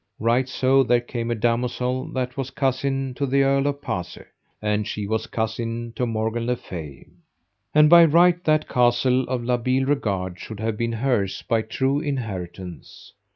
Right so there came a damosel that was cousin to the Earl of Pase, and she was cousin to Morgan le Fay. And by right that castle of La Beale Regard should have been hers by true inheritance.